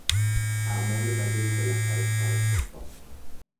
اعمال بد او بالاخره کارش را ساخت.